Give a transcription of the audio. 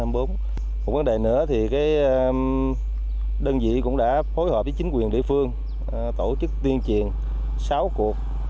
một vấn đề nữa thì đơn vị cũng đã phối hợp với chính quyền địa phương tổ chức tuyên truyền sáu cuộc